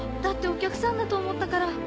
だってお客さんだと思ったから。